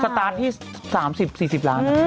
ตาร์ทพี่๓๐๔๐ล้าน